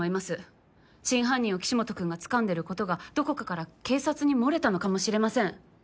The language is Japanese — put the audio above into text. だと真犯人を岸本君がつかんでることがどこかから警察に漏れたのかもしれません。